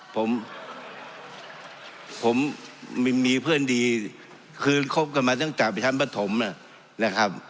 ผมผมมีเพื่อนดีคืนคบกันมาตั้งแต่ไปชั้นปฐมนะครับ